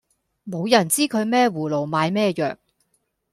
無人知佢咩葫蘆賣咩藥